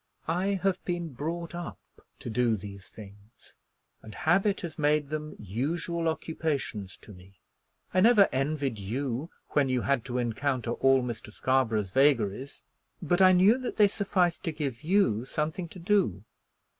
I have been brought up to do these things, and habit has made them usual occupations to me. I never envied you when you had to encounter all Mr. Scarborough's vagaries; but I knew that they sufficed to give you something to do."